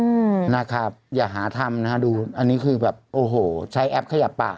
อืมนะครับอย่าหาทำนะฮะดูอันนี้คือแบบโอ้โหใช้แอปขยับปาก